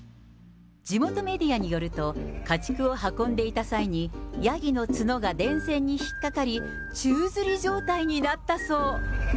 地元メディアによると、家畜を運んでいた際に、ヤギの角が電線に引っ掛かり、宙づり状態になったそう。